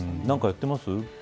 何かやってます。